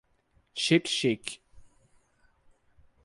Xique-Xique